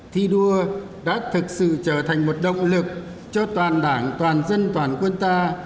thi đua đã thực sự trở thành một động lực cho toàn đảng toàn dân toàn quân ta